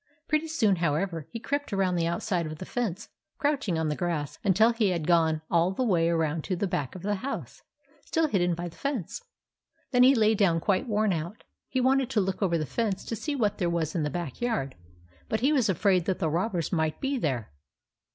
Pretty soon, however, he crept around the outside of the fence, crouching on the grass, until he had gone all the way around to the back of the house, still hidden by the fence. Then he lay down quite worn out. He wanted to look over the fence to see what there was in the back yard ; but he was afraid that the robbers might be there.